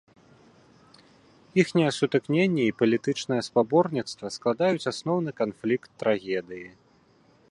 Іхняе сутыкненне і палітычнае спаборніцтва складаюць асноўны канфлікт трагедыі.